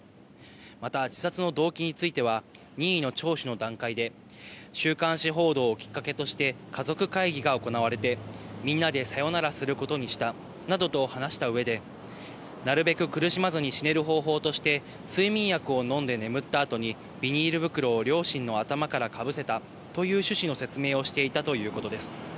また自殺の動機については、任意の聴取の段階で、週刊誌報道をきっかけとして家族会議が行われて、みんなでさよならすることにしたなどと話したうえで、なるべく苦しまずに死ねる方法として、睡眠薬を飲んで眠ったあとにビニール袋を両親の頭からかぶせたという趣旨の説明をしていたということです。